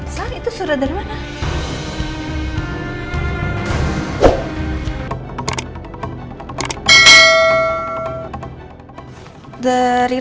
jangan sampai mama lihat ini